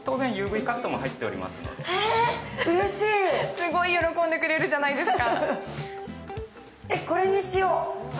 すごい喜んでくれるじゃないですか。